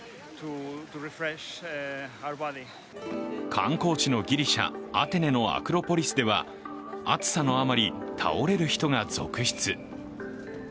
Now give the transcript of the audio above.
観光地のギリシャ・アテネのアクロポリスでは暑さのあまり倒れる人が続出。